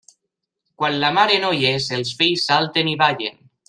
Quan la mare no hi és, els fills salten i ballen.